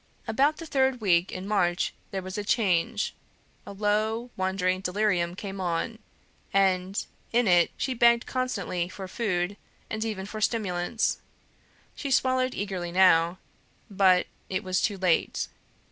About the third week in March there was a change; a low wandering delirium came on; and in it she begged constantly for food and even for stimulants. She swallowed eagerly now; but it was too late.